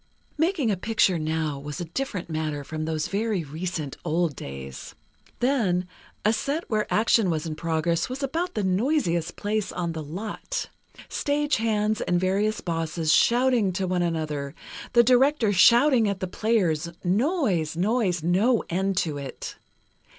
Making a picture now was a different matter from those very recent old days. Then, a set where action was in progress, was about the noisiest place on the lot. Stagehands and various bosses shouting to one another, the director shouting at the players—noise, noise, no end to it.